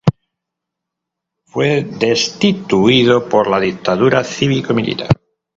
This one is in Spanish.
Fue destituido por la Dictadura cívico-militar.